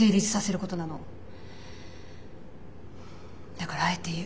だからあえて言う。